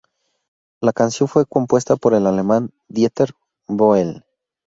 La canción fue compuesta por el alemán Dieter Bohlen.